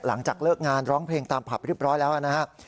หลังจากเลิกงานร้องเพลงตามผับเรียบร้อยแล้วนะครับ